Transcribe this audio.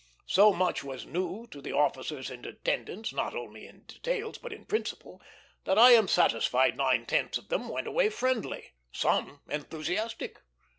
So much was new to the officers in attendance, not only in details but in principle, that I am satisfied nine tenths of them went away friendly; some enthusiastic.